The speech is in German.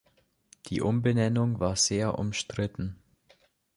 Die Umbenennung war sehr umstritten.